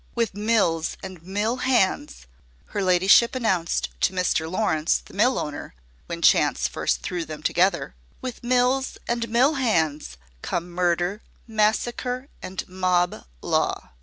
"With mills and mill hands," her ladyship announced to Mr. Laurence, the mill owner, when chance first threw them together, "with mills and mill hands come murder, massacre, and mob law."